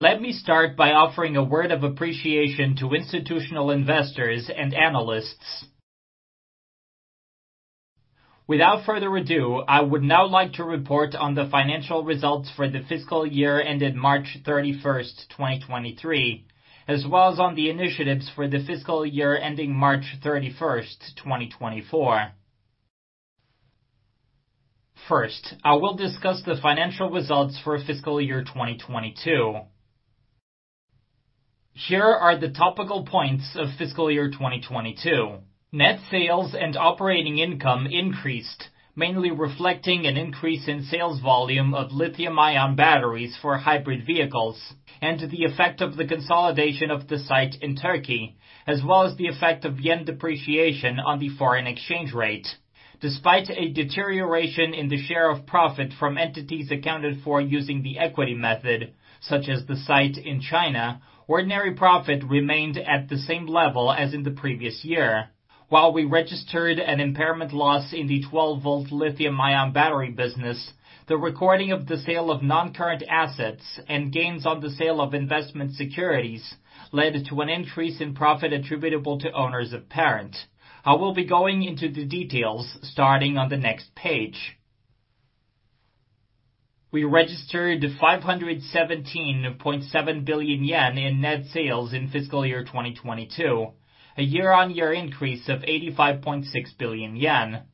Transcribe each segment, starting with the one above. Let me start by offering a word of appreciation to institutional investors and analysts. Without further ado, I would now like to report on the financial results for the fiscal year ended March 31st, 2023, as well as on the initiatives for the fiscal year ending March 31st, 2024. First, I will discuss the financial results for fiscal year 2022. Here are the topical points of fiscal year 2022. Net sales and operating income increased, mainly reflecting an increase in sales volume of lithium-ion batteries for hybrid vehicles and the effect of the consolidation of the site in Turkey, as well as the effect of yen depreciation on the foreign exchange rate. Despite a deterioration in the share of profit from entities accounted for using the equity method, such as the site in China, ordinary profit remained at the same level as in the previous year. While we registered an impairment loss in the twelve-volt lithium-ion battery business, the recording of the sale of non-current assets and gains on the sale of investment securities led to an increase in profit attributable to owners of parent. I will be going into the details starting on the next page. We registered 517.7 billion yen in net sales in fiscal year 2022, a year-over-year increase of 85.6 billion yen.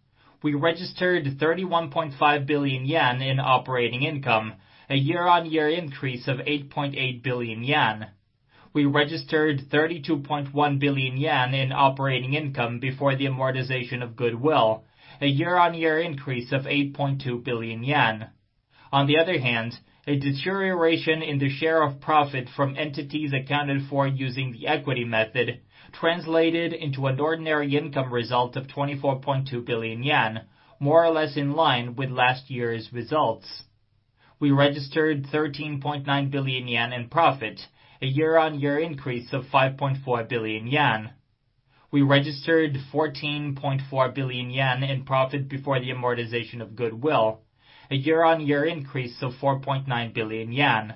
We registered 31.5 billion yen in operating income, a year-over-year increase of 8.8 billion yen. We registered 32.1 billion yen in operating income before the amortization of goodwill, a year-over-year increase of 8.2 billion yen. On the other hand, a deterioration in the share of profit from entities accounted for using the equity method translated into an ordinary income result of 24.2 billion yen, more or less in line with last year's results. We registered 13.9 billion yen in profit, a year-on-year increase of 5.4 billion yen. We registered 14.4 billion yen in profit before the amortization of goodwill, a year-on-year increase of 4.9 billion yen.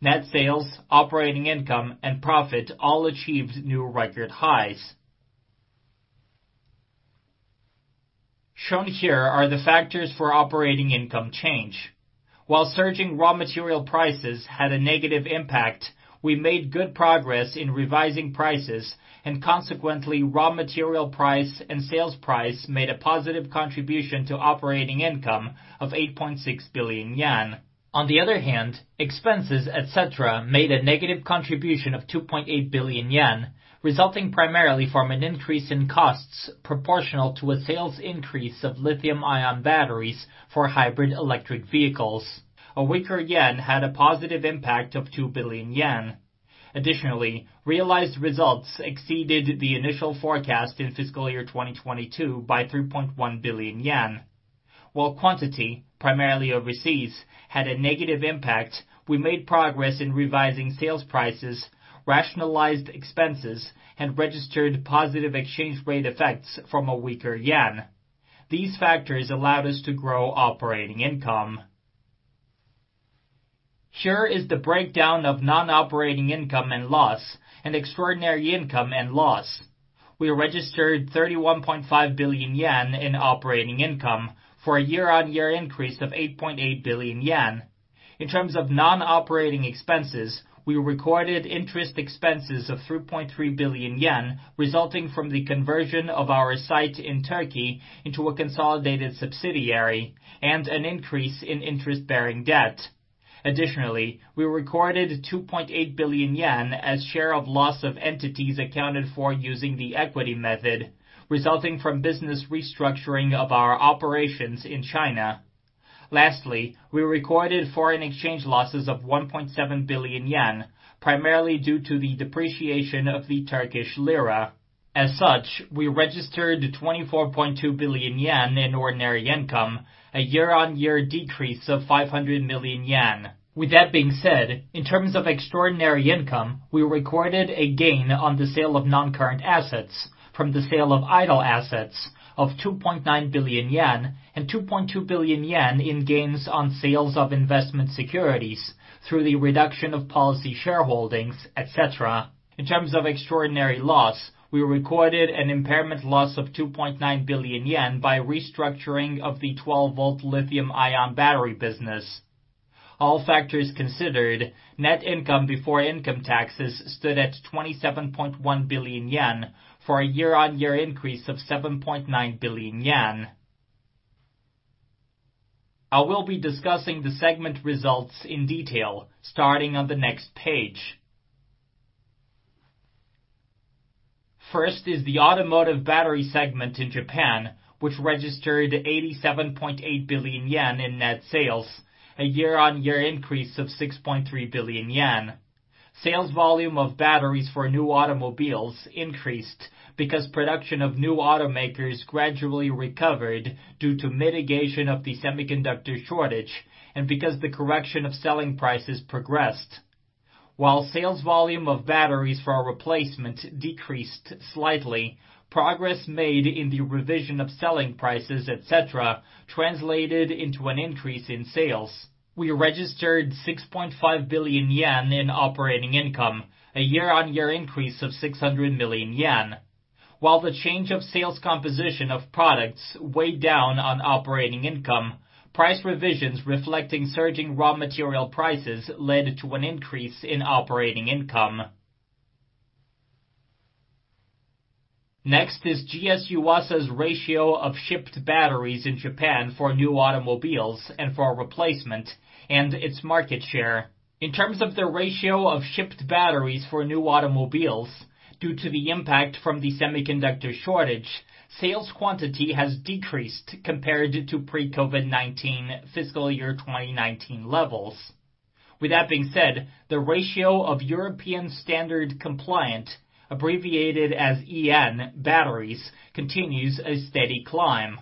Net sales, operating income, and profit all achieved new record highs. Shown here are the factors for operating income change. While surging raw material prices had a negative impact, we made good progress in revising prices, consequently, raw material price and sales price made a positive contribution to operating income of 8.6 billion yen. On the other hand, expenses, et cetera, made a negative contribution of 2.8 billion yen, resulting primarily from an increase in costs proportional to a sales increase of lithium-ion batteries for hybrid electric vehicles. A weaker yen had a positive impact of 2 billion yen. Realized results exceeded the initial forecast in fiscal year 2022 by 3.1 billion yen. Quantity, primarily overseas, had a negative impact, we made progress in revising sales prices, rationalized expenses, and registered positive exchange rate effects from a weaker yen. These factors allowed us to grow operating income. Here is the breakdown of non-operating income and loss and extraordinary income and loss. We registered 31.5 billion yen in operating income for a year-on-year increase of 8.8 billion yen. In terms of non-operating expenses, we recorded interest expenses of 3.3 billion yen resulting from the conversion of our site in Turkey into a consolidated subsidiary and an increase in interest-bearing debt. We recorded 2.8 billion yen as share of loss of entities accounted for using the equity method, resulting from business restructuring of our operations in China. We recorded foreign exchange losses of 1.7 billion yen, primarily due to the depreciation of the Turkish lira. We registered 24.2 billion yen in ordinary income, a year-on-year decrease of 500 million yen. With that being said, in terms of extraordinary income, we recorded a gain on the sale of non-current assets from the sale of idle assets of 2.9 billion yen and 2.2 billion yen in gains on sales of investment securities through the reduction of policy shareholdings, et cetera. In terms of extraordinary loss, we recorded an impairment loss of 2.9 billion yen by restructuring of the 12-volt lithium-ion battery business. All factors considered, net income before income taxes stood at 27.1 billion yen for a year-on-year increase of 7.9 billion yen. I will be discussing the segment results in detail starting on the next page. First is the automotive battery segment in Japan, which registered 87.8 billion yen in net sales, a year-on-year increase of 6.3 billion yen. Sales volume of batteries for new automobiles increased because production of new automakers gradually recovered due to mitigation of the semiconductor shortage and because the correction of selling prices progressed. While sales volume of batteries for replacement decreased slightly, progress made in the revision of selling prices, et cetera, translated into an increase in sales. We registered 6.5 billion yen in operating income, a year-on-year increase of 600 million yen. While the change of sales composition of products weighed down on operating income, price revisions reflecting surging raw material prices led to an increase in operating income. Next is GS Yuasa's ratio of shipped batteries in Japan for new automobiles and for replacement and its market share. In terms of the ratio of shipped batteries for new automobiles, due to the impact from the semiconductor shortage, sales quantity has decreased compared to pre-COVID-19 fiscal year 2019 levels. With that being said, the ratio of European Standard compliant, abbreviated as EN batteries, continues a steady climb.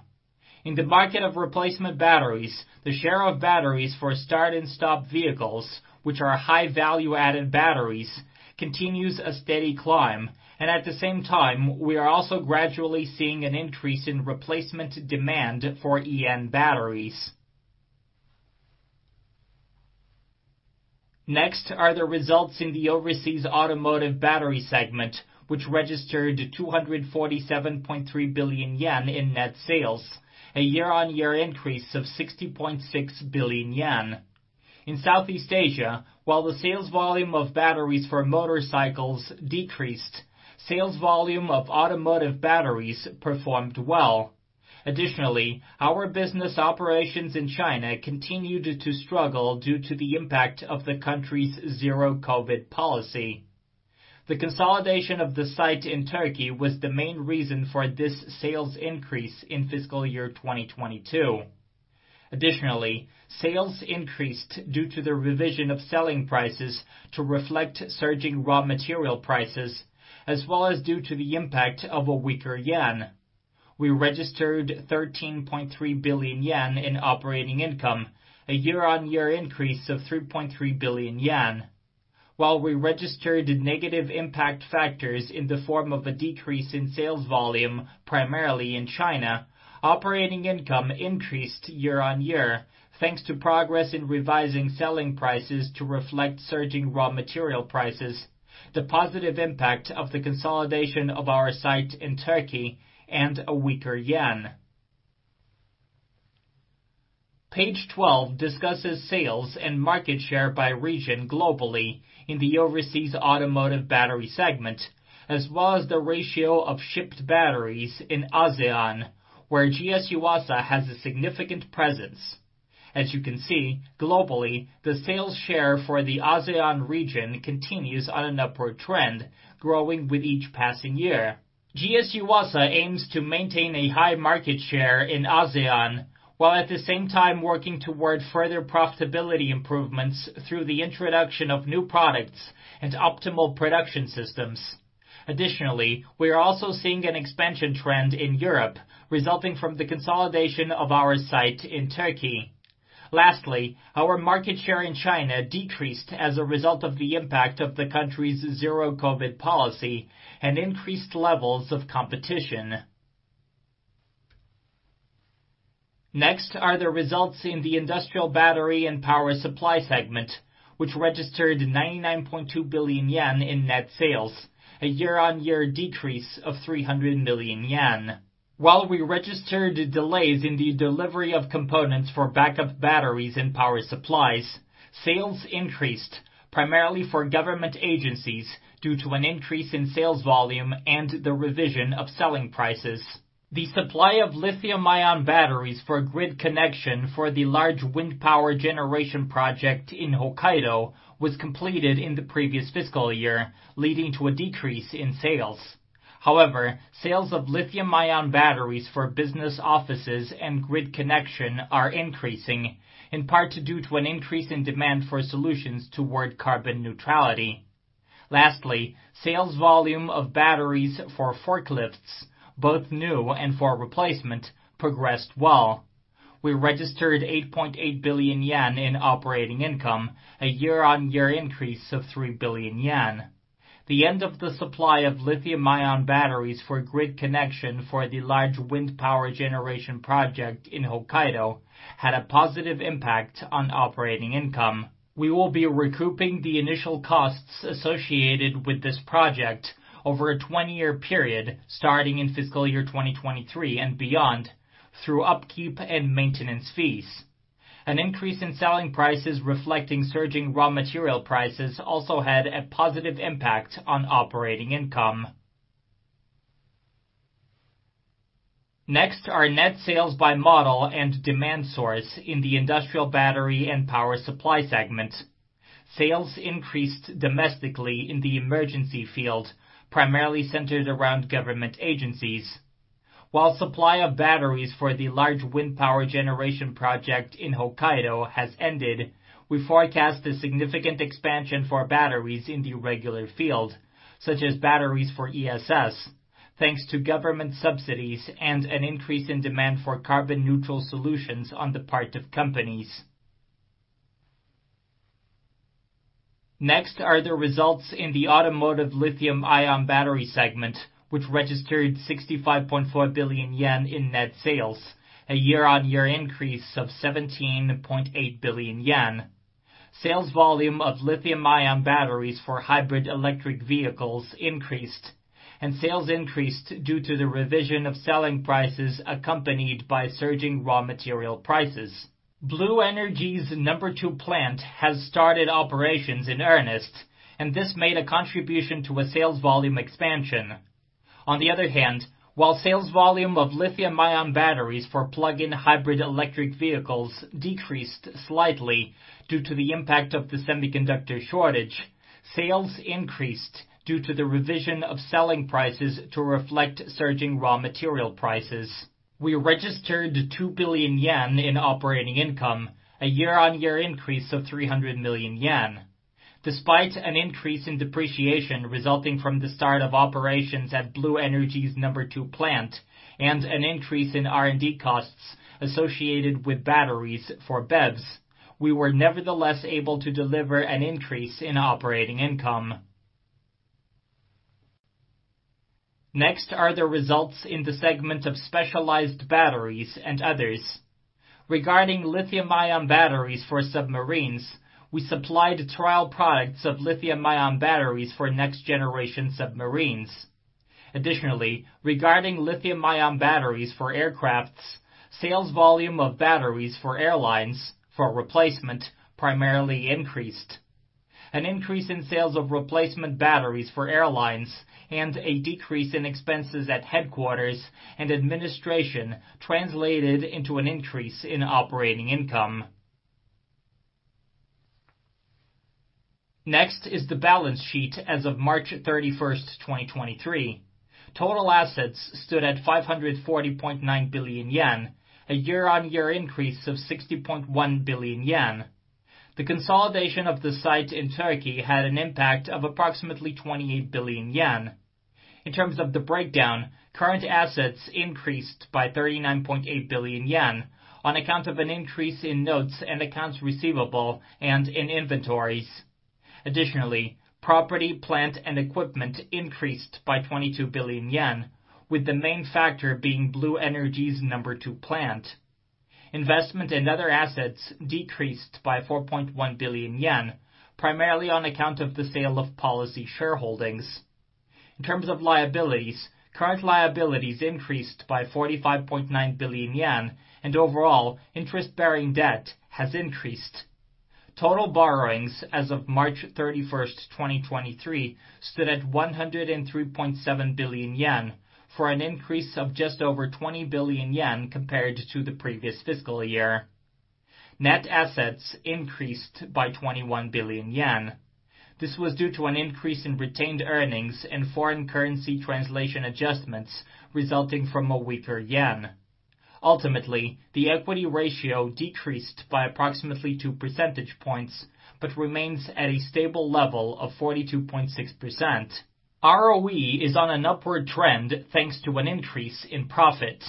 In the market of replacement batteries, the share of batteries for start and stop vehicles, which are high value-added batteries, continues a steady climb. At the same time, we are also gradually seeing an increase in replacement demand for EN batteries. Next are the results in the overseas automotive battery segment, which registered 247.3 billion yen in net sales, a year-on-year increase of 60.6 billion yen. In Southeast Asia, while the sales volume of batteries for motorcycles decreased, sales volume of automotive batteries performed well. Additionally, our business operations in China continued to struggle due to the impact of the country's zero-COVID policy. The consolidation of the site in Turkey was the main reason for this sales increase in fiscal year 2022. Additionally, sales increased due to the revision of selling prices to reflect surging raw material prices, as well as due to the impact of a weaker yen. We registered 13.3 billion yen in operating income, a year-on-year increase of 3.3 billion yen. While we registered negative impact factors in the form of a decrease in sales volume, primarily in China, operating income increased year-on-year, thanks to progress in revising selling prices to reflect surging raw material prices, the positive impact of the consolidation of our site in Turkey, and a weaker yen. Page 12 discusses sales and market share by region globally in the overseas automotive battery segment, as well as the ratio of shipped batteries in ASEAN, where GS Yuasa has a significant presence. As you can see, globally, the sales share for the ASEAN region continues on an upward trend, growing with each passing year. GS Yuasa aims to maintain a high market share in ASEAN, while at the same time working toward further profitability improvements through the introduction of new products and optimal production systems. We are also seeing an expansion trend in Europe resulting from the consolidation of our site in Turkey. Our market share in China decreased as a result of the impact of the country's zero-COVID policy and increased levels of competition. The results in the industrial battery and power supply segment, which registered 99.2 billion yen in net sales, a year-on-year decrease of 300 million yen. While we registered delays in the delivery of components for backup batteries and power supplies, sales increased primarily for government agencies due to an increase in sales volume and the revision of selling prices. The supply of lithium-ion batteries for grid connection for the large wind power generation project in Hokkaido was completed in the previous fiscal year, leading to a decrease in sales. Sales of lithium-ion batteries for business offices and grid connection are increasing, in part due to an increase in demand for solutions toward carbon neutrality. Sales volume of batteries for forklifts, both new and for replacement, progressed well. We registered 8.8 billion yen in operating income, a year-on-year increase of 3 billion yen. The end of the supply of lithium-ion batteries for grid connection for the large wind power generation project in Hokkaido had a positive impact on operating income. We will be recouping the initial costs associated with this project over a 20-year period, starting in fiscal year 2023 and beyond, through upkeep and maintenance fees. An increase in selling prices reflecting surging raw material prices also had a positive impact on operating income. Next are net sales by model and demand source in the industrial battery and power supply segment. Sales increased domestically in the emergency field, primarily centered around government agencies. While supply of batteries for the large wind power generation project in Hokkaido has ended, we forecast a significant expansion for batteries in the regular field, such as batteries for ESS, thanks to government subsidies and an increase in demand for carbon-neutral solutions on the part of companies. Next are the results in the automotive lithium-ion battery segment, which registered 65.4 billion yen in net sales, a year-on-year increase of 17.8 billion yen. Sales volume of lithium-ion batteries for hybrid electric vehicles increased, and sales increased due to the revision of selling prices accompanied by surging raw material prices. Blue Energy's number two plant has started operations in earnest, and this made a contribution to a sales volume expansion. On the other hand, while sales volume of lithium-ion batteries for plug-in hybrid electric vehicles decreased slightly due to the impact of the semiconductor shortage, sales increased due to the revision of selling prices to reflect surging raw material prices. We registered 2 billion yen in operating income, a year-on-year increase of 300 million yen. Despite an increase in depreciation resulting from the start of operations at Blue Energy's number two plant and an increase in R&D costs associated with batteries for BEVs, we were nevertheless able to deliver an increase in operating income. Next are the results in the segment of specialized batteries and others. Regarding lithium-ion batteries for submarines, we supplied trial products of lithium-ion batteries for next-generation submarines. Additionally, regarding lithium-ion batteries for aircraft, sales volume of batteries for airlines for replacement primarily increased. An increase in sales of replacement batteries for airlines and a decrease in expenses at headquarters and administration translated into an increase in operating income. Next is the balance sheet as of March 31st, 2023. Total assets stood at 540.9 billion yen, a year-on-year increase of 60.1 billion yen. The consolidation of the site in Turkey had an impact of approximately 28 billion yen. In terms of the breakdown, current assets increased by 39.8 billion yen on account of an increase in notes and accounts receivable and in inventories. Additionally, property, plant, and equipment increased by 22 billion yen, with the main factor being Blue Energy's number two plant. Investment in other assets decreased by 4.1 billion yen, primarily on account of the sale of policy shareholdings. In terms of liabilities, current liabilities increased by 45.9 billion yen, and overall, interest-bearing debt has increased. Total borrowings as of March 31st, 2023 stood at 103.7 billion yen, for an increase of just over 20 billion yen compared to the previous fiscal year. Net assets increased by 21 billion yen. This was due to an increase in retained earnings and foreign currency translation adjustments resulting from a weaker yen. Ultimately, the equity ratio decreased by approximately two percentage points but remains at a stable level of 42.6%. ROE is on an upward trend, thanks to an increase in profit.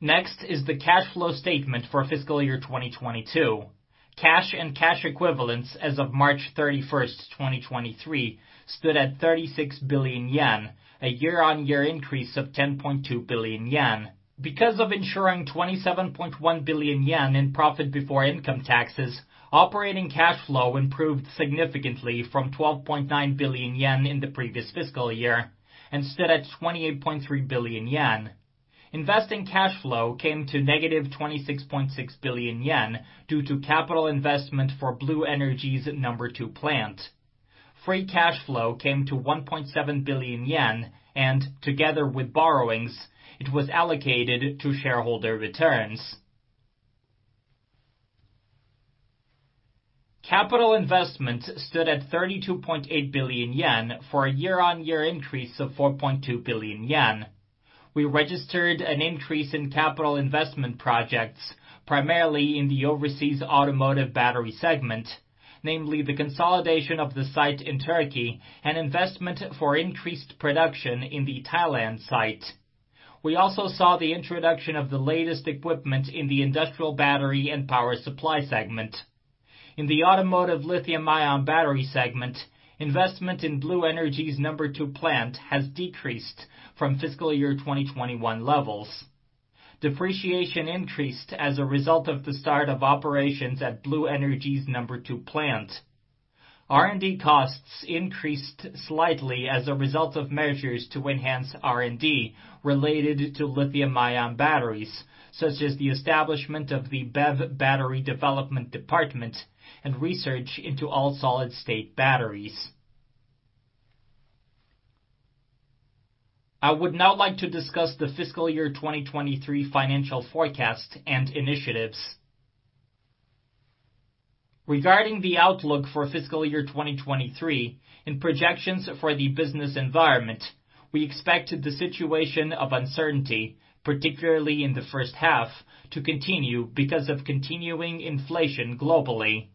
Next is the cash flow statement for fiscal year 2022. Cash and cash equivalents as of March 31st, 2023 stood at 36 billion yen, a year-on-year increase of 10.2 billion yen. Because of ensuring 27.1 billion yen in profit before income taxes, operating cash flow improved significantly from 12.9 billion yen in the previous fiscal year and stood at 28.3 billion yen. Investing cash flow came to negative 26.6 billion yen due to capital investment for Blue Energy's number two plant. Free cash flow came to 1.7 billion yen and together with borrowings, it was allocated to shareholder returns. Capital investment stood at 32.8 billion yen for a year-on-year increase of 4.2 billion yen. We registered an increase in capital investment projects, primarily in the overseas automotive battery segment, namely the consolidation of the site in Turkey and investment for increased production in the Thailand site. We also saw the introduction of the latest equipment in the industrial battery and power supply segment. In the automotive lithium-ion battery segment, investment in Blue Energy's number two plant has decreased from fiscal year 2021 levels. Depreciation increased as a result of the start of operations at Blue Energy's number two plant. R&D costs increased slightly as a result of measures to enhance R&D related to lithium-ion batteries, such as the establishment of the BEV battery development department and research into all-solid-state batteries. I would now like to discuss the fiscal year 2023 financial forecast and initiatives. Regarding the outlook for fiscal year 2023 and projections for the business environment, we expect the situation of uncertainty, particularly in the first half, to continue because of continuing inflation globally.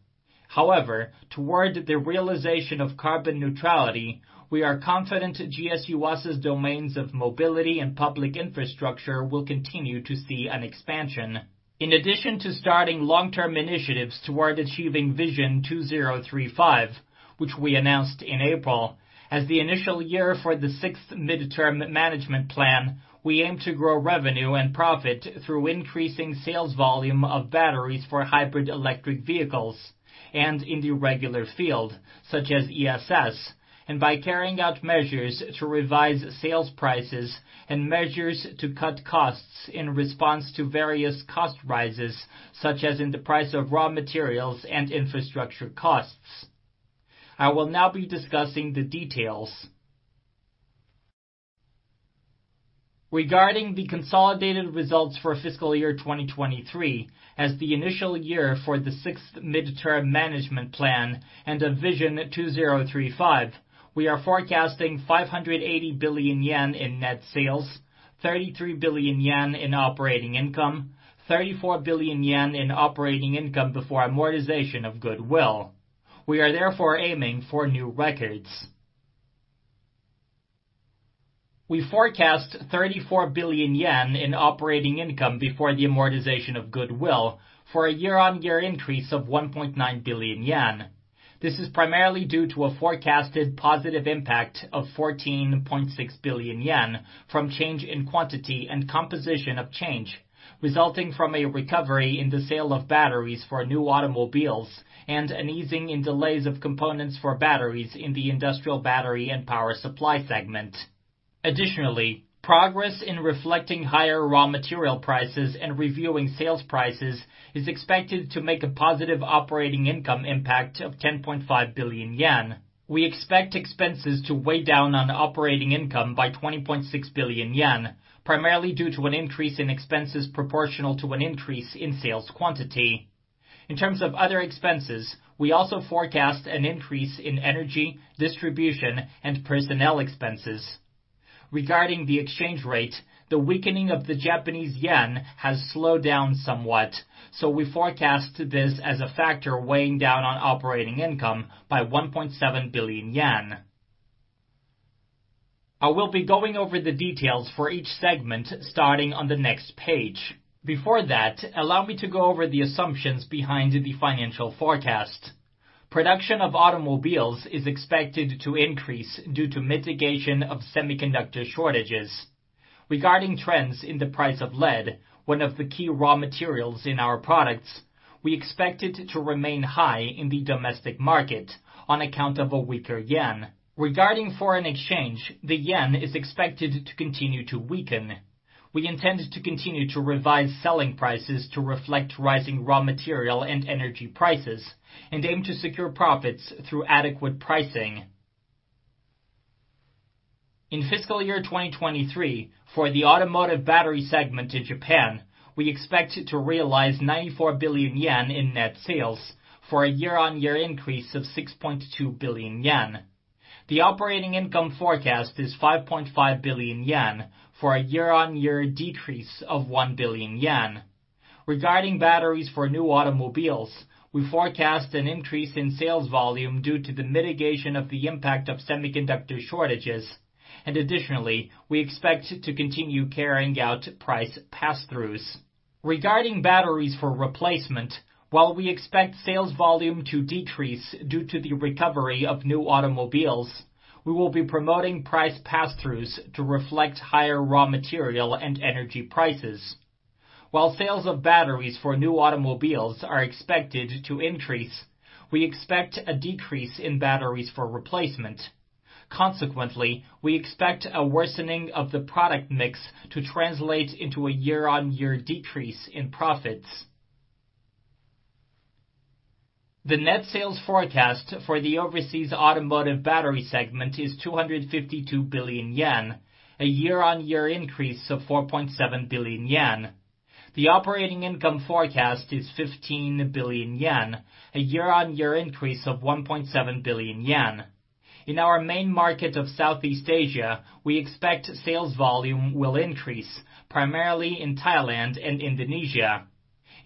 Toward the realization of carbon neutrality, we are confident GS Yuasa's domains of mobility and public infrastructure will continue to see an expansion. In addition to starting long-term initiatives toward achieving Vision 2035, which we announced in April. As the initial year for the Sixth Mid-Term Management Plan, we aim to grow revenue and profit through increasing sales volume of batteries for hybrid electric vehicles and in the regular field, such as ESS, and by carrying out measures to revise sales prices and measures to cut costs in response to various cost rises, such as in the price of raw materials and infrastructure costs. I will now be discussing the details. Regarding the consolidated results for fiscal year 2023, as the initial year for the Sixth Mid-Term Management Plan and Vision 2035, we are forecasting 580 billion yen in net sales, 33 billion yen in operating income, 34 billion yen in operating income before amortization of goodwill. We are therefore aiming for new records. We forecast 34 billion yen in operating income before the amortization of goodwill for a year-on-year increase of 1.9 billion yen. This is primarily due to a forecasted positive impact of 14.6 billion yen from change in quantity and composition of change, resulting from a recovery in the sale of batteries for new automobiles and an easing in delays of components for batteries in the industrial battery and power supply segment. Additionally, progress in reflecting higher raw material prices and reviewing sales prices is expected to make a positive operating income impact of 10.5 billion yen. We expect expenses to weigh down on operating income by 20.6 billion yen, primarily due to an increase in expenses proportional to an increase in sales quantity. In terms of other expenses, we also forecast an increase in energy, distribution, and personnel expenses. Regarding the exchange rate, the weakening of the Japanese yen has slowed down somewhat, so we forecast this as a factor weighing down on operating income by 1.7 billion yen. I will be going over the details for each segment starting on the next page. Before that, allow me to go over the assumptions behind the financial forecast. Production of automobiles is expected to increase due to mitigation of semiconductor shortages. Regarding trends in the price of lead, one of the key raw materials in our products, we expect it to remain high in the domestic market on account of a weaker yen. Regarding foreign exchange, the yen is expected to continue to weaken. We intend to continue to revise selling prices to reflect rising raw material and energy prices and aim to secure profits through adequate pricing. In fiscal year 2023, for the automotive battery segment in Japan, we expect to realize 94 billion yen in net sales for a year-on-year increase of 6.2 billion yen. The operating income forecast is 5.5 billion yen for a year-on-year decrease of 1 billion yen. Regarding batteries for new automobiles, we forecast an increase in sales volume due to the mitigation of the impact of semiconductor shortages, and additionally, we expect to continue carrying out price pass-throughs. Regarding batteries for replacement, while we expect sales volume to decrease due to the recovery of new automobiles, we will be promoting price pass-throughs to reflect higher raw material and energy prices. While sales of batteries for new automobiles are expected to increase, we expect a decrease in batteries for replacement. Consequently, we expect a worsening of the product mix to translate into a year-on-year decrease in profits. The net sales forecast for the overseas automotive battery segment is 252 billion yen, a year-on-year increase of 4.7 billion yen. The operating income forecast is 15 billion yen, a year-on-year increase of 1.7 billion yen. In our main market of Southeast Asia, we expect sales volume will increase, primarily in Thailand and Indonesia.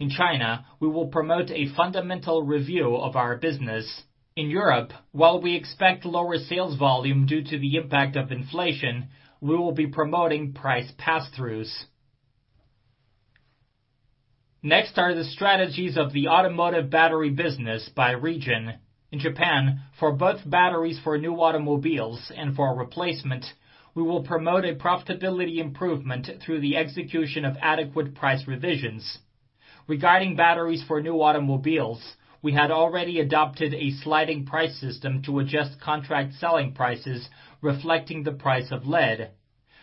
In China, we will promote a fundamental review of our business. In Europe, while we expect lower sales volume due to the impact of inflation, we will be promoting price pass-throughs. The strategies of the automotive battery business by region. In Japan, for both batteries for new automobiles and for replacement, we will promote a profitability improvement through the execution of adequate price revisions. Regarding batteries for new automobiles, we had already adopted a sliding price system to adjust contract selling prices, reflecting the price of lead.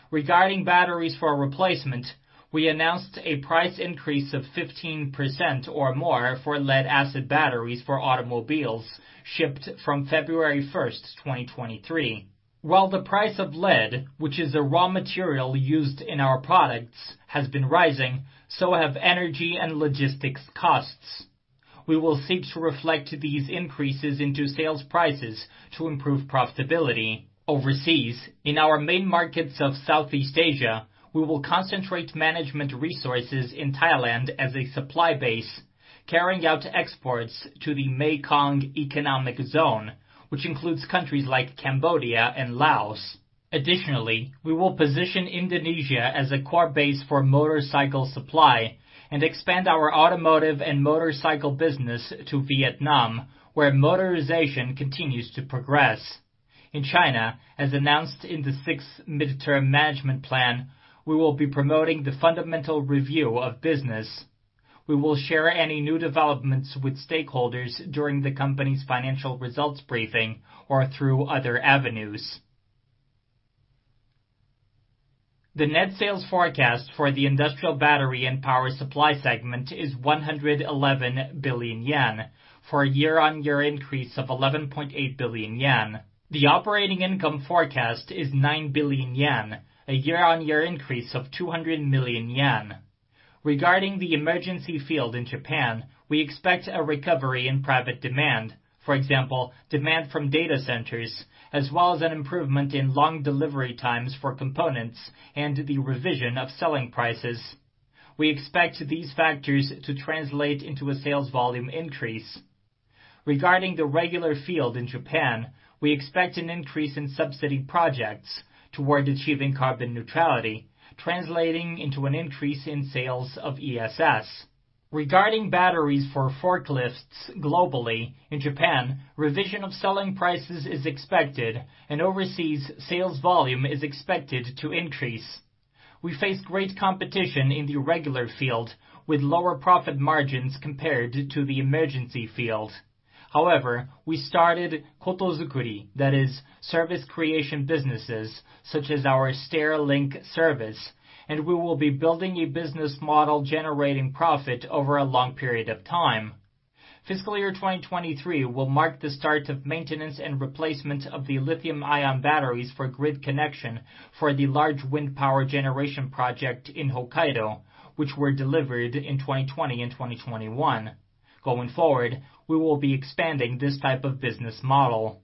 Regarding batteries for replacement, we announced a price increase of 15% or more for lead-acid batteries for automobiles shipped from February 1st, 2023. While the price of lead, which is a raw material used in our products, has been rising, so have energy and logistics costs. We will seek to reflect these increases into sales prices to improve profitability. Overseas, in our main markets of Southeast Asia, we will concentrate management resources in Thailand as a supply base, carrying out exports to the Mekong Economic Zone, which includes countries like Cambodia and Laos. We will position Indonesia as a core base for motorcycle supply and expand our automotive and motorcycle business to Vietnam, where motorization continues to progress. In China, as announced in the Sixth Mid-Term Management Plan, we will be promoting the fundamental review of business. We will share any new developments with stakeholders during the company's financial results briefing or through other avenues. The net sales forecast for the industrial battery and power supply segment is 111 billion yen for a year-on-year increase of 11.8 billion yen. The operating income forecast is 9 billion yen, a year-on-year increase of 200 million yen. Regarding the emergency field in Japan, we expect a recovery in private demand, for example, demand from data centers, as well as an improvement in long delivery times for components and the revision of selling prices. We expect these factors to translate into a sales volume increase. Regarding the regular field in Japan, we expect an increase in subsidy projects toward achieving carbon neutrality, translating into an increase in sales of ESS. Regarding batteries for forklifts globally, in Japan, revision of selling prices is expected and overseas sales volume is expected to increase. We face great competition in the regular field with lower profit margins compared to the emergency field. We started Kotozukuri, that is, service creation businesses such as our S-TERRAlink service, and we will be building a business model generating profit over a long period of time. Fiscal year 2023 will mark the start of maintenance and replacement of the lithium-ion batteries for grid connection for the large wind power generation project in Hokkaido, which were delivered in 2020 and 2021. Going forward, we will be expanding this type of business model.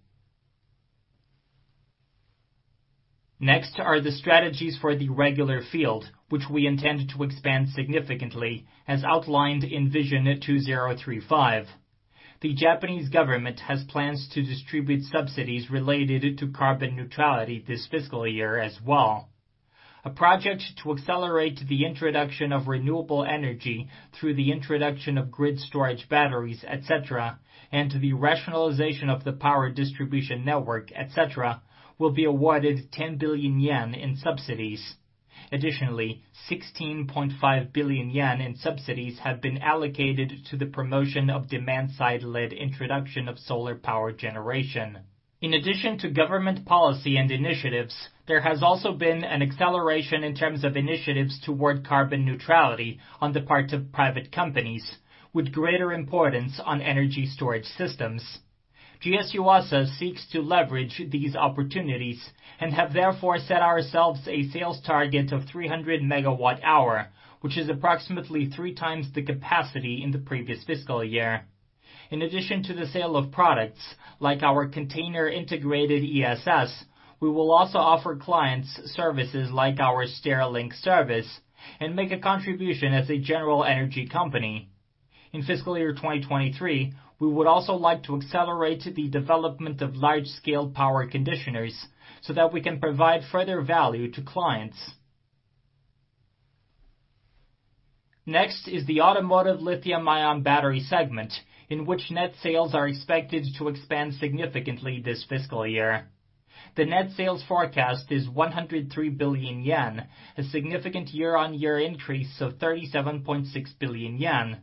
The strategies for the regular field, which we intend to expand significantly as outlined in Vision 2035. The Japanese government has plans to distribute subsidies related to carbon neutrality this fiscal year as well. A project to accelerate the introduction of renewable energy through the introduction of grid storage batteries, etc., and the rationalization of the power distribution network, et cetera, will be awarded 10 billion yen in subsidies. Additionally, 16.5 billion yen in subsidies have been allocated to the promotion of demand-side-led introduction of solar power generation. In addition to government policy and initiatives, there has also been an acceleration in terms of initiatives toward carbon neutrality on the part of private companies with greater importance on Energy Storage Systems. GS Yuasa seeks to leverage these opportunities and have therefore set ourselves a sales target of 300 MWh, which is approximately three times the capacity in the previous fiscal year. In addition to the sale of products like our container-integrated ESS, we will also offer clients services like our S-TERRAlink service and make a contribution as a general energy company. In fiscal year 2023, we would also like to accelerate the development of large-scale power conditioners so that we can provide further value to clients. The automotive lithium-ion battery segment, in which net sales are expected to expand significantly this fiscal year. The net sales forecast is 103 billion yen, a significant year-on-year increase of 37.6 billion yen.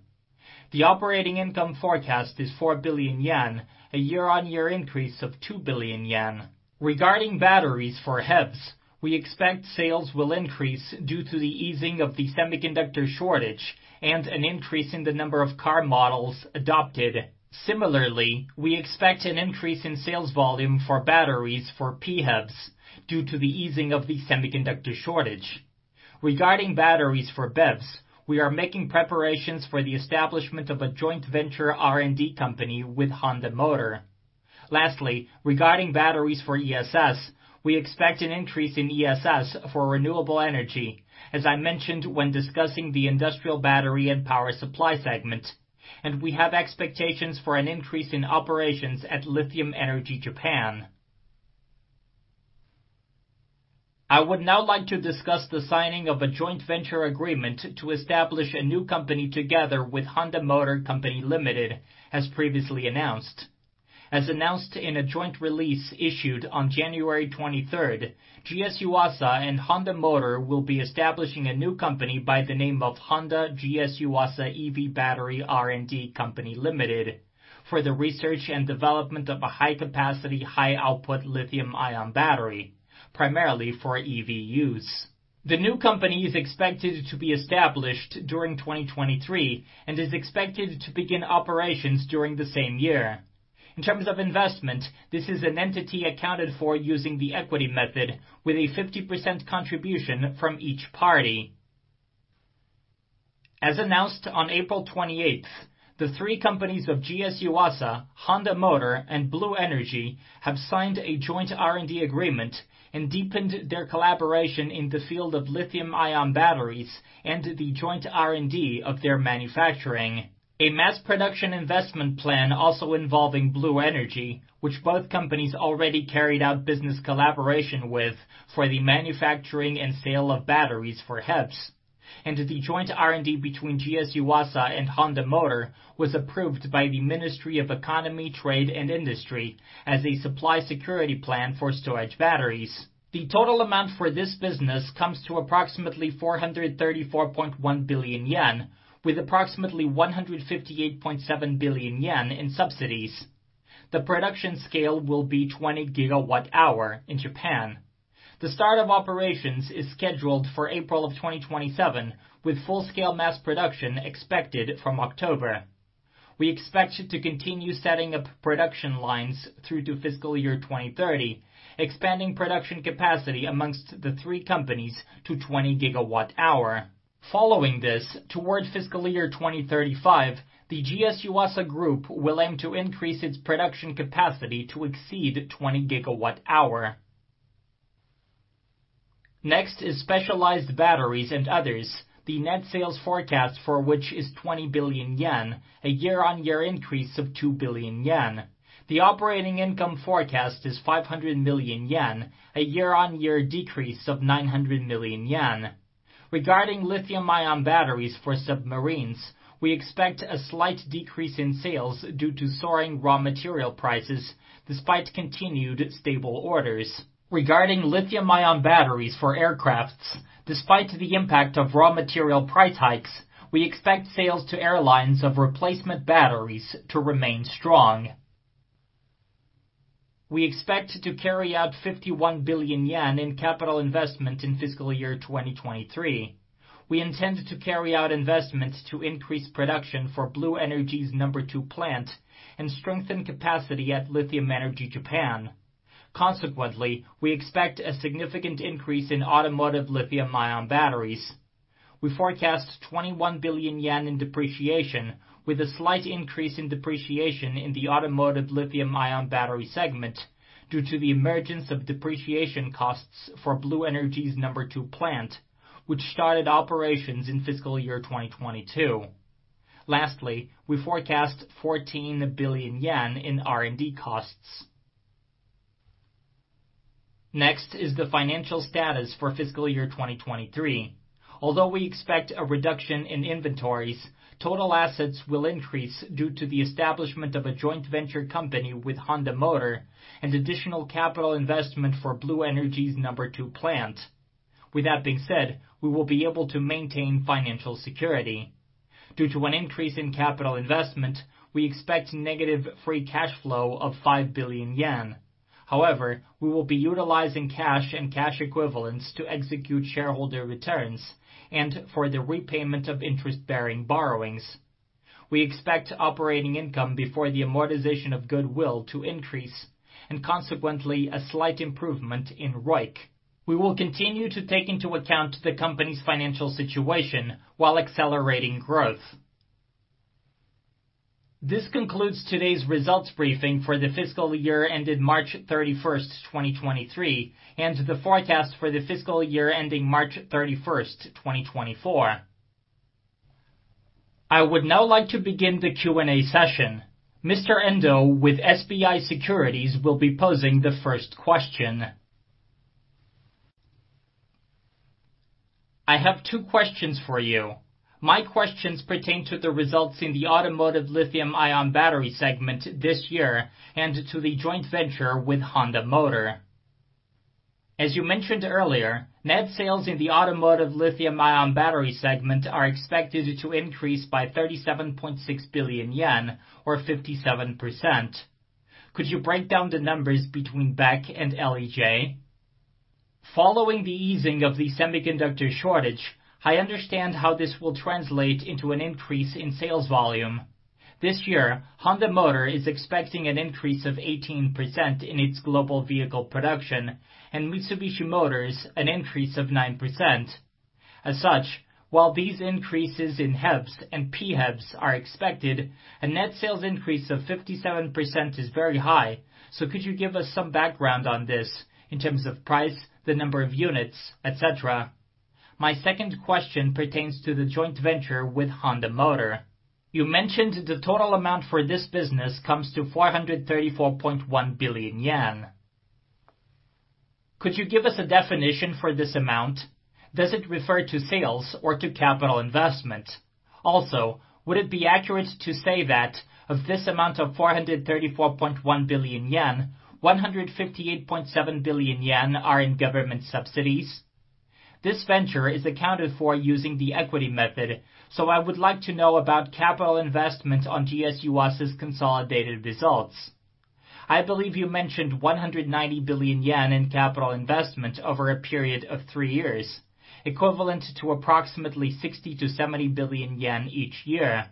The operating income forecast is 4 billion yen, a year-on-year increase of 2 billion yen. Regarding batteries for HEVs, we expect sales will increase due to the easing of the semiconductor shortage and an increase in the number of car models adopted. Similarly, we expect an increase in sales volume for batteries for PHEVs due to the easing of the semiconductor shortage. Regarding batteries for BEVs, we are making preparations for the establishment of a joint venture R&D company with Honda Motor. Lastly, regarding batteries for ESS, we expect an increase in ESS for renewable energy, as I mentioned when discussing the industrial battery and power supply segment, and we have expectations for an increase in operations at Lithium Energy Japan. I would now like to discuss the signing of a joint venture agreement to establish a new company together with Honda Motor Company Limited, as previously announced. As announced in a joint release issued on January 23rd, GS Yuasa and Honda Motor will be establishing a new company by the name of Honda・GS Yuasa EV Battery R&D Co., Ltd. A mass production investment plan also involving Blue Energy, which both companies already carried out business collaboration with for the manufacturing and sale of batteries for HEVs. The joint R&D between GS Yuasa and Honda Motor was approved by the Ministry of Economy, Trade and Industry as a Supply Security Plan for Storage Batteries. The total amount for this business comes to approximately 434.1 billion yen, with approximately 158.7 billion yen in subsidies. The production scale will be 20 GWh in Japan. The start of operations is scheduled for April 2027, with full scale mass production expected from October. We expect to continue setting up production lines through to fiscal year 2030, expanding production capacity amongst the three companies to 20 GWh. Following this, toward fiscal year 2035, the GS Yuasa Group will aim to increase its production capacity to exceed 20 GWh. Next is specialized batteries and others. The net sales forecast for which is 20 billion yen, a year-on-year increase of 2 billion yen. The operating income forecast is 500 million yen, a year-on-year decrease of 900 million yen. Regarding lithium-ion batteries for submarines, we expect a slight decrease in sales due to soaring raw material prices despite continued stable orders. Regarding lithium-ion batteries for aircraft, despite the impact of raw material price hikes, we expect sales to airlines of replacement batteries to remain strong. We expect to carry out 51 billion yen in capital investment in fiscal year 2023. We intend to carry out investments to increase production for Blue Energy's number two plant and strengthen capacity at Lithium Energy Japan. Consequently, we expect a significant increase in automotive lithium-ion batteries. We forecast 21 billion yen in depreciation, with a slight increase in depreciation in the automotive lithium-ion battery segment due to the emergence of depreciation costs for Blue Energy's number two plant, which started operations in fiscal year 2022. Lastly, we forecast 14 billion yen in R&D costs. Next is the financial status for fiscal year 2023. Although we expect a reduction in inventories, total assets will increase due to the establishment of a joint venture company with Honda Motor and additional capital investment for Blue Energy's number two plant. With that being said, we will be able to maintain financial security. Due to an increase in capital investment, we expect negative free cash flow of 5 billion yen. However, we will be utilizing cash and cash equivalents to execute shareholder returns and for the repayment of interest-bearing borrowings. We expect operating income before the amortization of goodwill to increase, and consequently a slight improvement in ROIC. We will continue to take into account the company's financial situation while accelerating growth. This concludes today's results briefing for the fiscal year ended March 31st, 2023, and the forecast for the fiscal year ending March 31st, 2024. I would now like to begin the Q&A session. Mr. Endo with SBI Securities will be posing the first question. I have two questions for you. My questions pertain to the results in the automotive lithium-ion battery segment this year and to the joint venture with Honda Motor. As you mentioned earlier, net sales in the automotive lithium-ion battery segment are expected to increase by 37.6 billion yen, or 57%. Could you break down the numbers between BEC and LEJ? Following the easing of the semiconductor shortage, I understand how this will translate into an increase in sales volume. This year, Honda Motor is expecting an increase of 18% in its global vehicle production, and Mitsubishi Motors' an increase of 9%. As such, while these increases in HEVs and PHEVs are expected, a net sales increase of 57% is very high, so could you give us some background on this in terms of price, the number of units, et cetera? My second question pertains to the joint venture with Honda Motor. You mentioned the total amount for this business comes to 434.1 billion yen. Could you give us a definition for this amount? Does it refer to sales or to capital investment? Also, would it be accurate to say that of this amount of 434.1 billion yen, 158.7 billion yen are in government subsidies? This venture is accounted for using the equity method, so I would like to know about capital investment on GS Yuasa's consolidated results. I believe you mentioned 190 billion yen in capital investment over a period of three years, equivalent to approximately 60 billion-70 billion yen each year.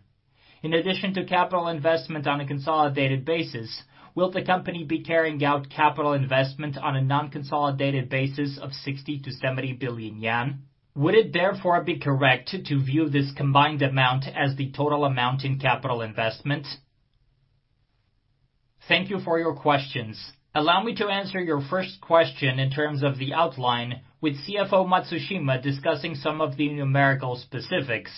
In addition to capital investment on a consolidated basis, will the company be carrying out capital investment on a non-consolidated basis of 60 billion-70 billion yen? Would it therefore be correct to view this combined amount as the total amount in capital investment? Thank you for your questions. Allow me to answer your first question in terms of the outline with CFO Matsushima discussing some of the numerical specifics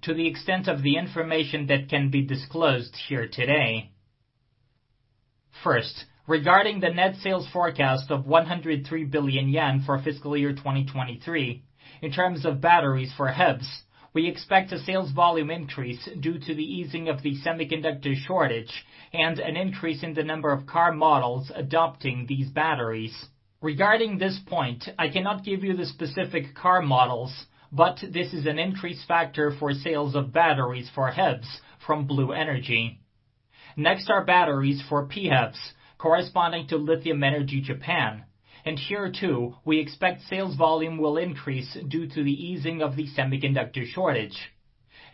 to the extent of the information that can be disclosed here today. First, regarding the net sales forecast of 103 billion yen for fiscal year 2023. In terms of batteries for HEVs, we expect a sales volume increase due to the easing of the semiconductor shortage and an increase in the number of car models adopting these batteries. Regarding this point, I cannot give you the specific car models, but this is an increase factor for sales of batteries for HEVs from Blue Energy. Next are batteries for PHEVs corresponding to Lithium Energy Japan. Here too, we expect sales volume will increase due to the easing of the semiconductor shortage.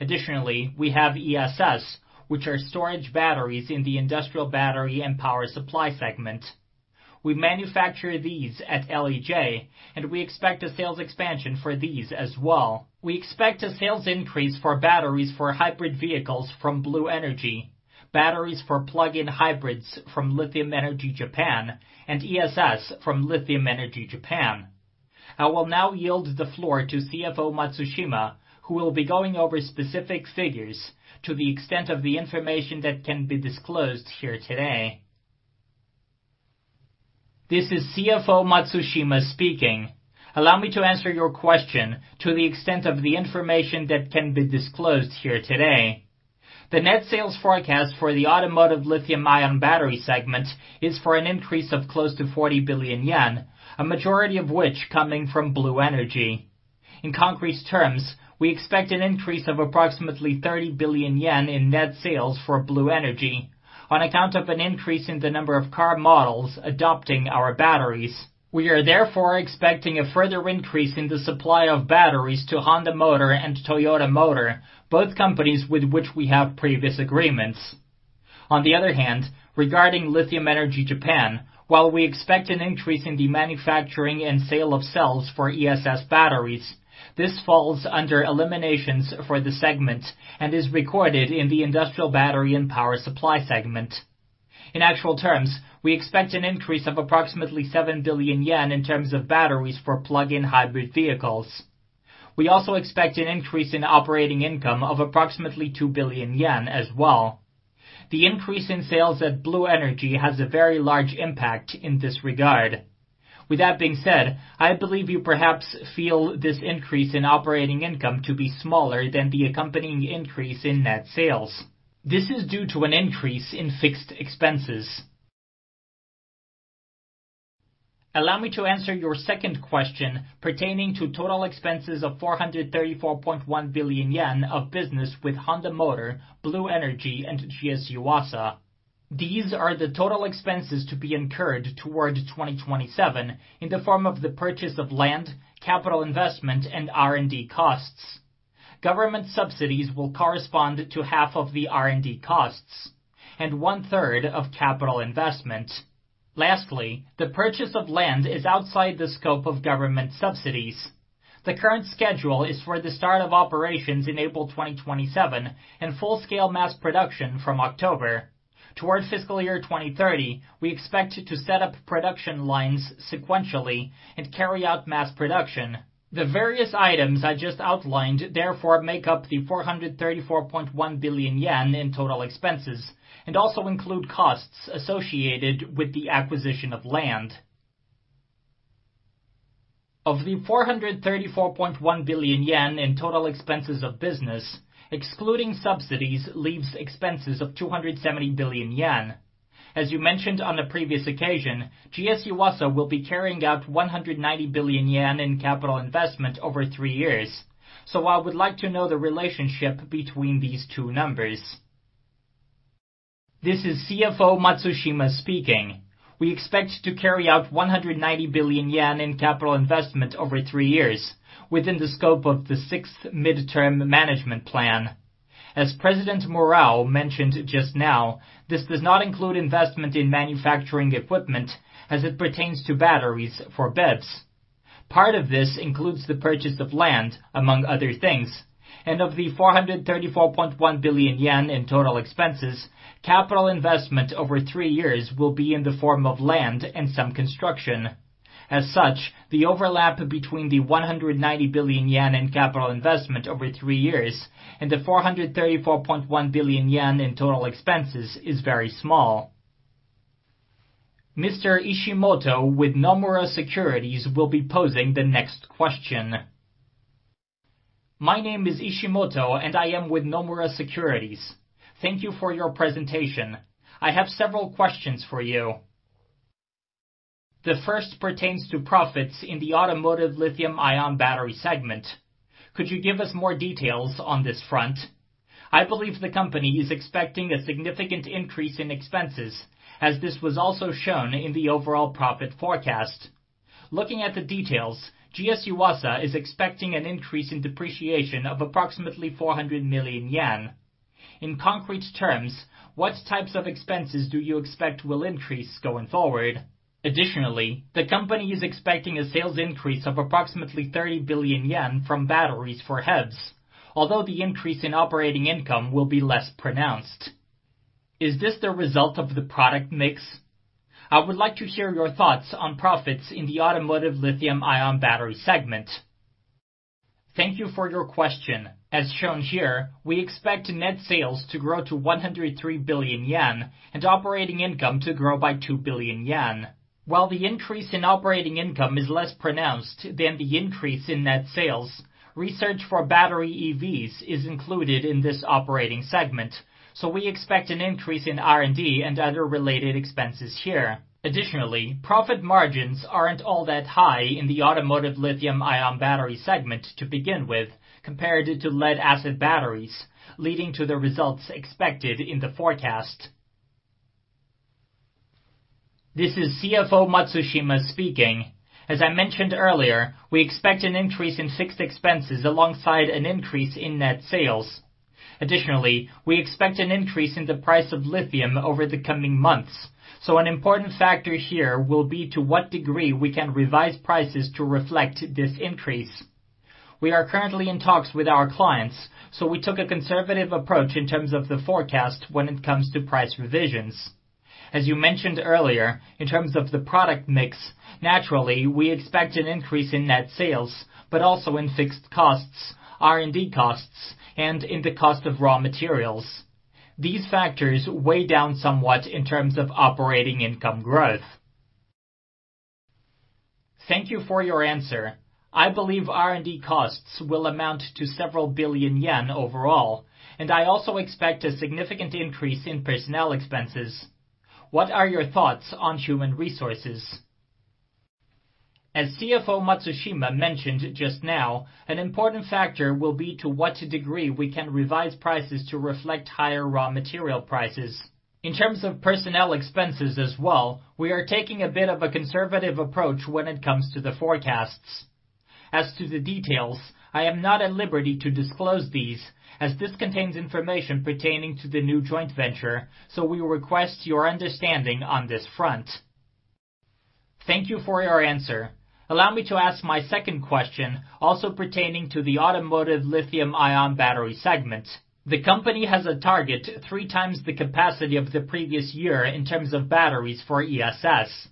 Additionally, we have ESS, which are storage batteries in the industrial battery and power supply segment. We manufacture these at LEJ, and we expect a sales expansion for these as well. We expect a sales increase for batteries for hybrid vehicles from Blue Energy, batteries for plug-in hybrids from Lithium Energy Japan, and ESS from Lithium Energy Japan. I will now yield the floor to CFO Matsushima, who will be going over specific figures to the extent of the information that can be disclosed here today. This is CFO Matsushima speaking. Allow me to answer your question to the extent of the information that can be disclosed here today. The net sales forecast for the automotive lithium-ion battery segment is for an increase of close to 40 billion yen, a majority of which coming from Blue Energy. In concrete terms, we expect an increase of approximately 30 billion yen in net sales for Blue Energy on account of an increase in the number of car models adopting our batteries. We are therefore expecting a further increase in the supply of batteries to Honda Motor and Toyota Motor, both companies with which we have previous agreements. Regarding Lithium Energy Japan, while we expect an increase in the manufacturing and sale of cells for ESS batteries, this falls under eliminations for the segment and is recorded in the industrial battery and power supply segment. In actual terms, we expect an increase of approximately 7 billion yen in terms of batteries for plug-in hybrid vehicles. We also expect an increase in operating income of approximately 2 billion yen as well. The increase in sales at Blue Energy has a very large impact in this regard. With that being said, I believe you perhaps feel this increase in operating income to be smaller than the accompanying increase in net sales. This is due to an increase in fixed expenses. Allow me to answer your second question pertaining to total expenses of 434.1 billion yen of business with Honda Motor, Blue Energy, and GS Yuasa. These are the total expenses to be incurred toward 2027 in the form of the purchase of land, capital investment, and R&D costs. Government subsidies will correspond to half of the R&D costs and one-third of capital investment. Lastly, the purchase of land is outside the scope of government subsidies. The current schedule is for the start of operations in April 2027 and full-scale mass production from October. Towards fiscal year 2030, we expect to set up production lines sequentially and carry out mass production. The various items I just outlined therefore make up the 434.1 billion yen in total expenses and also include costs associated with the acquisition of land. Of the 434.1 billion yen in total expenses of business, excluding subsidies leaves expenses of 270 billion yen. As you mentioned on a previous occasion, GS Yuasa will be carrying out 190 billion yen in capital investment over three years. I would like to know the relationship between these two numbers. This is CFO Matsushima speaking. We expect to carry out 190 billion yen in capital investment over three years within the scope of the Sixth Mid-Term Management Plan. As President Murao mentioned just now, this does not include investment in manufacturing equipment as it pertains to batteries for BEVs. Part of this includes the purchase of land, among other things, and of the 434.1 billion yen in total expenses, capital investment over three years will be in the form of land and some construction. As such, the overlap between the 190 billion yen in capital investment over three years and the 434.1 billion yen in total expenses is very small. Mr. Ishimoto with Nomura Securities will be posing the next question. My name is Ishimoto. I am with Nomura Securities. Thank you for your presentation. I have several questions for you. The first pertains to profits in the automotive lithium-ion battery segment. Could you give us more details on this front? I believe the company is expecting a significant increase in expenses, as this was also shown in the overall profit forecast. Looking at the details, GS Yuasa is expecting an increase in depreciation of approximately 400 million yen. In concrete terms, what types of expenses do you expect will increase going forward? Additionally, the company is expecting a sales increase of approximately 30 billion yen from batteries for HEVs. Although the increase in operating income will be less pronounced. Is this the result of the product mix? I would like to hear your thoughts on profits in the automotive lithium-ion battery segment. Thank you for your question. As shown here, we expect net sales to grow to 103 billion yen and operating income to grow by 2 billion yen. While the increase in operating income is less pronounced than the increase in net sales, research for battery EVs is included in this operating segment, so we expect an increase in R&D and other related expenses here. Additionally, profit margins aren't all that high in the automotive lithium-ion battery segment to begin with compared to lead-acid batteries, leading to the results expected in the forecast. This is CFO Matsushima speaking. As I mentioned earlier, we expect an increase in fixed expenses alongside an increase in net sales. Additionally, we expect an increase in the price of lithium over the coming months, so an important factor here will be to what degree we can revise prices to reflect this increase. We are currently in talks with our clients, so we took a conservative approach in terms of the forecast when it comes to price revisions. As you mentioned earlier, in terms of the product mix, naturally, we expect an increase in net sales, also in fixed costs, R&D costs, in the cost of raw materials. These factors weigh down somewhat in terms of operating income growth. Thank you for your answer. I believe R&D costs will amount to several billion JPY overall, I also expect a significant increase in personnel expenses. What are your thoughts on human resources? As CFO Matsushima mentioned just now, an important factor will be to what degree we can revise prices to reflect higher raw material prices. In terms of personnel expenses as well, we are taking a bit of a conservative approach when it comes to the forecasts. As to the details, I am not at liberty to disclose these, as this contains information pertaining to the new joint venture, so we request your understanding on this front. Thank you for your answer. Allow me to ask my second question, also pertaining to the automotive lithium-ion battery segment. The company has a target three times the capacity of the previous year in terms of batteries for ESS.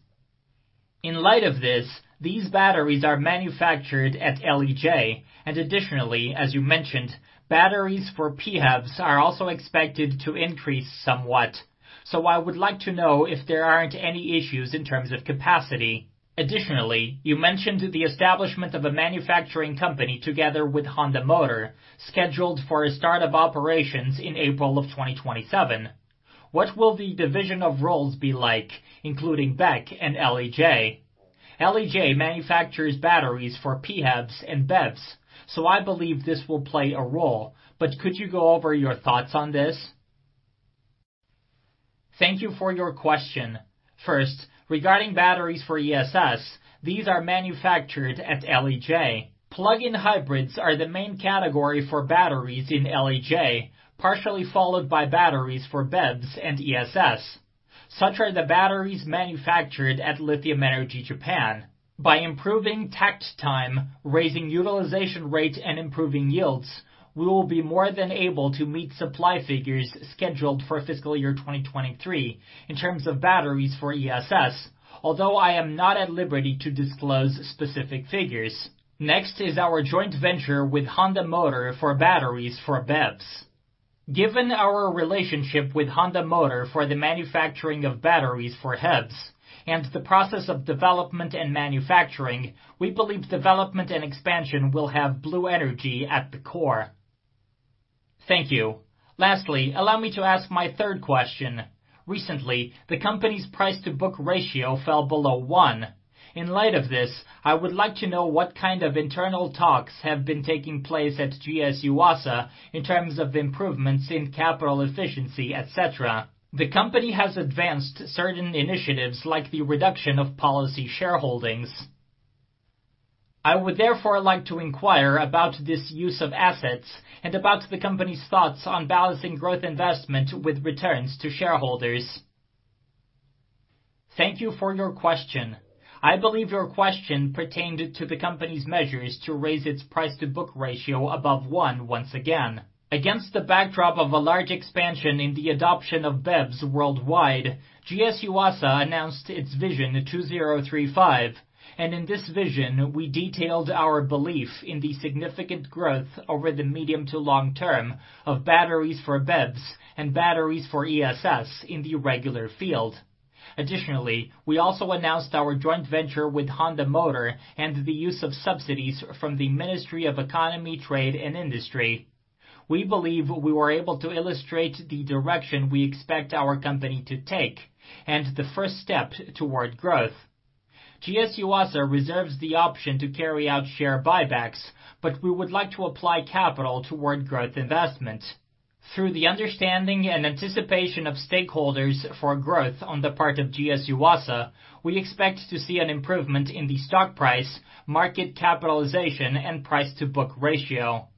In light of this, these batteries are manufactured at LEJ, and additionally, as you mentioned, batteries for PHEVs are also expected to increase somewhat. I would like to know if there aren't any issues in terms of capacity. Additionally, you mentioned the establishment of a manufacturing company together with Honda Motor, scheduled for a start of operations in April of 2027. What will the division of roles be like, including BEC and LEJ? LEJ manufactures batteries for PHEVs and BEVs, I believe this will play a role. Could you go over your thoughts on this? Thank you for your question. First, regarding batteries for ESS, these are manufactured at LEJ. Plug-in hybrids are the main category for batteries in LEJ, partially followed by batteries for BEVs and ESS. Such are the batteries manufactured at Lithium Energy Japan. By improving takt time, raising utilization rate, and improving yields, we will be more than able to meet supply figures scheduled for fiscal year 2023 in terms of batteries for ESS, although I am not at liberty to disclose specific figures. Next is our joint venture with Honda Motor for batteries for BEVs. Given our relationship with Honda Motor for the manufacturing of batteries for HEVs and the process of development and manufacturing, we believe development and expansion will have Blue Energy at the core. Thank you. Lastly, allow me to ask my third question. Recently, the company's price-to-book ratio fell below one. In light of this, I would like to know what kind of internal talks have been taking place at GS Yuasa in terms of improvements in capital efficiency, et cetera. The company has advanced certain initiatives like the reduction of policy shareholdings. I would therefore like to inquire about this use of assets and about the company's thoughts on balancing growth investment with returns to shareholders. Thank you for your question. I believe your question pertained to the company's measures to raise its price-to-book ratio above one once again. Against the backdrop of a large expansion in the adoption of BEVs worldwide, GS Yuasa announced its Vision 2035. In this vision, we detailed our belief in the significant growth over the medium to long term of batteries for BEVs and batteries for ESS in the regular field. We also announced our joint venture with Honda Motor and the use of subsidies from the Ministry of Economy, Trade, and Industry. We believe we were able to illustrate the direction we expect our company to take and the first step toward growth. GS Yuasa reserves the option to carry out share buybacks, we would like to apply capital toward growth investment. Through the understanding and anticipation of stakeholders for growth on the part of GS Yuasa, we expect to see an improvement in the stock price, market capitalization, and price-to-book ratio.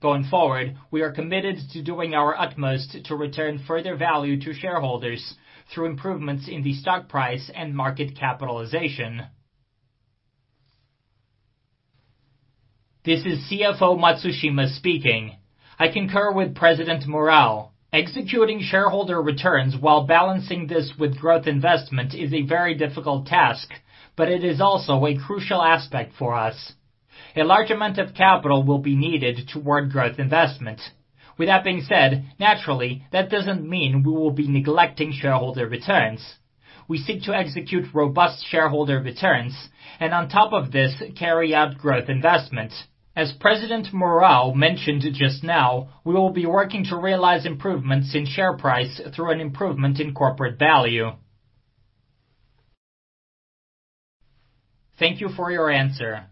Going forward, we are committed to doing our utmost to return further value to shareholders through improvements in the stock price and market capitalization. This is CFO Matsushima speaking. I concur with President Murao. Executing shareholder returns while balancing this with growth investment is a very difficult task, but it is also a crucial aspect for us. A large amount of capital will be needed toward growth investment. Naturally, that doesn't mean we will be neglecting shareholder returns. We seek to execute robust shareholder returns, and on top of this, carry out growth investment. As President Murao mentioned just now, we will be working to realize improvements in share price through an improvement in corporate value. Thank you for your answer.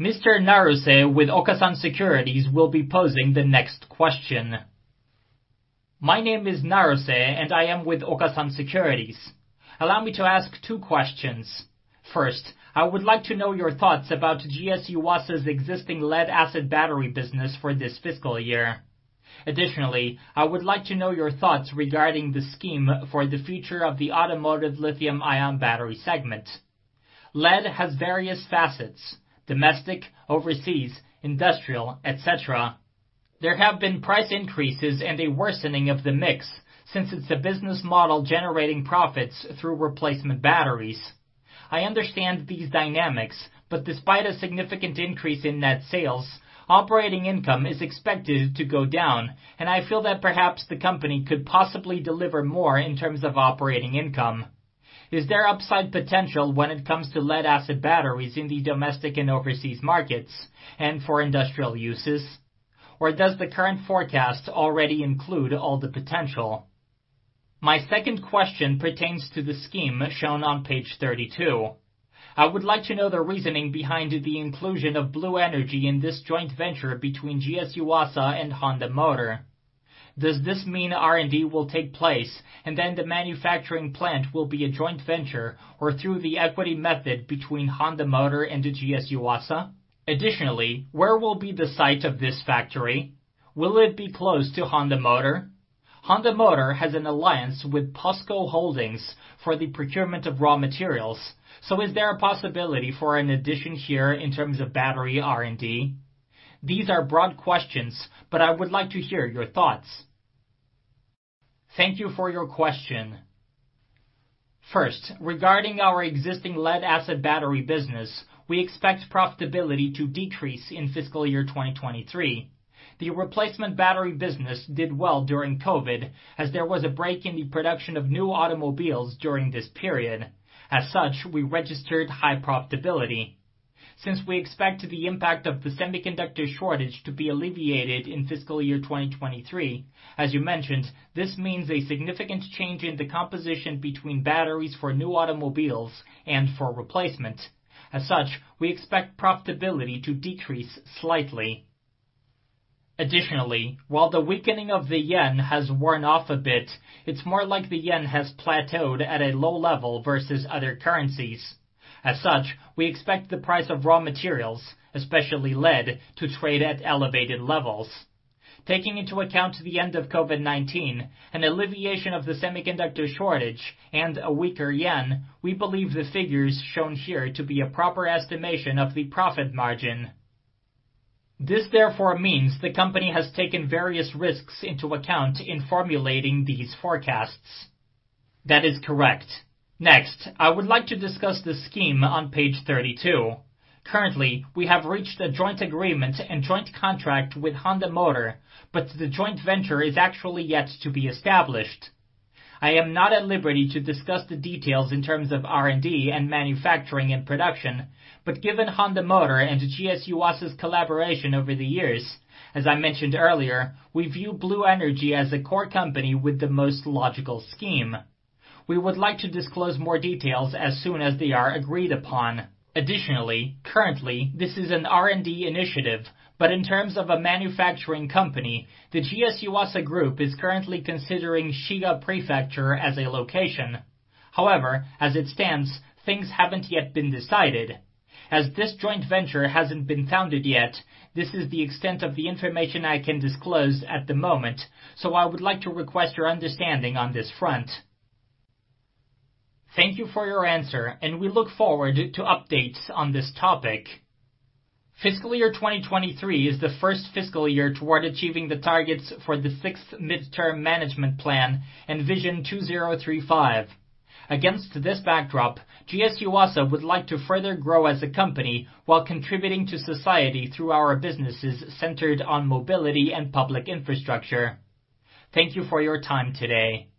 Mr. Naruse with Okasan Securities will be posing the next question. My name is Naruse, and I am with Okasan Securities. Allow me to ask two questions. First, I would like to know your thoughts about GS Yuasa's existing lead-acid battery business for this fiscal year. Additionally, I would like to know your thoughts regarding the scheme for the future of the automotive lithium-ion battery segment. Lead has various facets: domestic, overseas, industrial, et cetera. There have been price increases and a worsening of the mix since it's a business model generating profits through replacement batteries. I understand these dynamics. Despite a significant increase in net sales, operating income is expected to go down, and I feel that perhaps the company could possibly deliver more in terms of operating income. Is there upside potential when it comes to lead-acid batteries in the domestic and overseas markets and for industrial uses? Or does the current forecast already include all the potential? My second question pertains to the scheme shown on page 32. I would like to know the reasoning behind the inclusion of Blue Energy in this joint venture between GS Yuasa and Honda Motor. Does this mean R&D will take place, and then the manufacturing plant will be a joint venture or through the equity method between Honda Motor and GS Yuasa? Additionally, where will be the site of this factory? Will it be close to Honda Motor? Honda Motor has an alliance with POSCO Holdings for the procurement of raw materials, so is there a possibility for an addition here in terms of battery R&D? These are broad questions, but I would like to hear your thoughts? Thank you for your question. First, regarding our existing lead-acid battery business, we expect profitability to decrease in fiscal year 2023. The replacement battery business did well during COVID, as there was a break in the production of new automobiles during this period. As such, we registered high profitability. Since we expect the impact of the semiconductor shortage to be alleviated in fiscal year 2023, as you mentioned, this means a significant change in the composition between batteries for new automobiles and for replacement. As such, we expect profitability to decrease slightly. Additionally, while the weakening of the yen has worn off a bit, it's more like the yen has plateaued at a low level versus other currencies. As such, we expect the price of raw materials, especially lead, to trade at elevated levels. Taking into account the end of COVID-19, an alleviation of the semiconductor shortage, and a weaker yen, we believe the figures shown here to be a proper estimation of the profit margin. This therefore means the company has taken various risks into account in formulating these forecasts. That is correct. Next, I would like to discuss the scheme on page 32. Currently, we have reached a joint agreement and joint contract with Honda Motor, but the joint venture is actually yet to be established. I am not at liberty to discuss the details in terms of R&D and manufacturing and production, but given Honda Motor and GS Yuasa's collaboration over the years, as I mentioned earlier, we view Blue Energy as a core company with the most logical scheme. We would like to disclose more details as soon as they are agreed upon. Additionally, currently, this is an R&D initiative, but in terms of a manufacturing company, the GS Yuasa Group is currently considering Shiga Prefecture as a location. However, as it stands, things haven't yet been decided. As this joint venture hasn't been founded yet, this is the extent of the information I can disclose at the moment, so I would like to request your understanding on this front. Thank you for your answer, and we look forward to updates on this topic. Fiscal year 2023 is the first fiscal year toward achieving the targets for the Sixth Mid-Term Management Plan and Vision 2035. Against this backdrop, GS Yuasa would like to further grow as a company while contributing to society through our businesses centered on mobility and public infrastructure. Thank you for your time today.